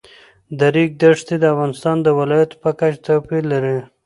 د ریګ دښتې د افغانستان د ولایاتو په کچه توپیر لري.